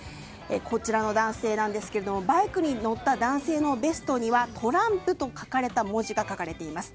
こちらの男性なんですけれどもバイクに乗った男性のベストにはトランプと書かれた文字があります。